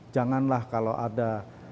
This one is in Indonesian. janganlah kalau ada